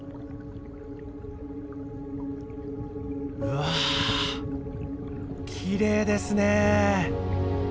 うわきれいですね。